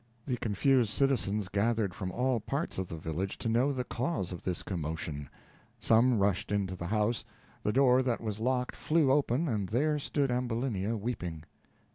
The confused citizens gathered from all parts of the village, to know the cause of this commotion. Some rushed into the house; the door that was locked flew open, and there stood Ambulinia, weeping.